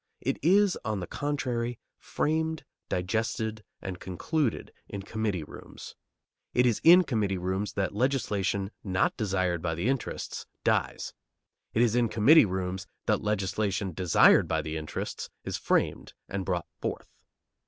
It is, on the contrary, framed, digested, and concluded in committee rooms. It is in committee rooms that legislation not desired by the interests dies. It is in committee rooms that legislation desired by the interests is framed and brought forth.